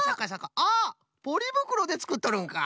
あっポリぶくろでつくっとるんか。